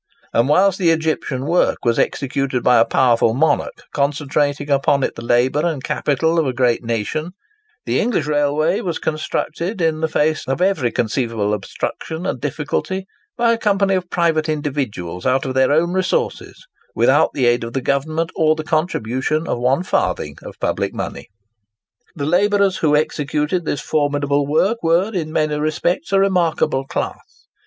And whilst the Egyptian work was executed by a powerful monarch concentrating upon it the labour and capital of a great nation, the English railway was constructed, in the face of every conceivable obstruction and difficulty, by a company of private individuals out of their own resources, without the aid of Government or the contribution of one farthing of public money. The labourers who executed this formidable work were in many respects a remarkable class.